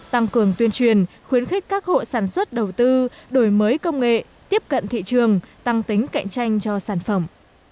tăng cường tuyên truyền khuyến khích các hộ sản xuất đầu tư đổi mới công nghệ tiếp cận thị trường tăng tính cạnh tranh cho sản phẩm